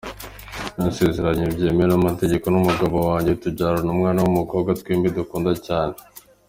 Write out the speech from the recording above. Nasezeranye byemewe n’ amategeko n’ umugabo wanjye tubyarana umwana w’ umukobwa twembi dukunda cyane.